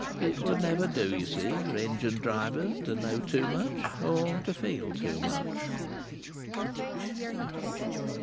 It would never do, you see, for engine drivers to know too much, or to feel too much."